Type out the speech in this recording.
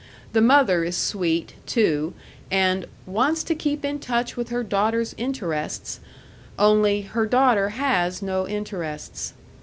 The mother is sweet, too, and "wants to keep in touch with her daughter's interests," only, her daughter has no interests.